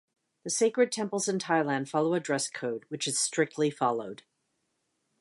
The sacred temples in Thailand follow a dress code, which is strictly followed.